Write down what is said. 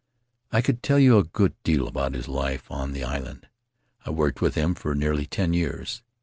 "I could tell you a good deal about his life on the island — I worked with him for nearly ten years.